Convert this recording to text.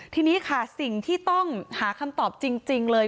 ทีนี้ค่ะสิ่งที่ต้องหาคำตอบจริงเลย